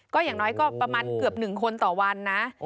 ก็อย่างน้อยก็ประมาณเกือบ๑คนต่อวันนะ